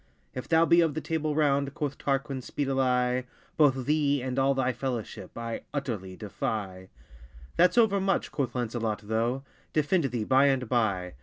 If thou be of the Table Round, Quoth Tarquin speedilye, Both thee and all thy fellowship I utterly defye. That's over much, quoth Lancelott tho, Defend thee by and by.